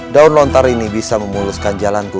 daun lontar ini bisa memuluskan jalanku